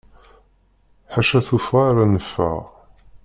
Ḥaca tuffɣa ara neffeɣ.